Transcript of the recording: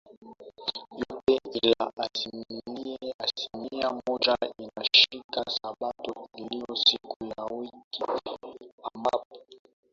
yote Ila asilimia moja inashika Sabato iliyo siku ya wiki ambapo